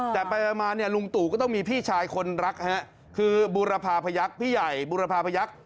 แต่ไปมาเนี่ยลุงตู่ก็ต้องมีพี่ชายคนรักคือบูรพาพยักษ์พี่ใหญ่บูรพาพยักษ์